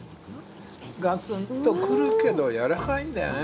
ガツンとくるけど柔らかいんだよね。